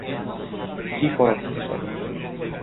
কি করছ এসব?